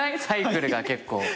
サイクルが結構。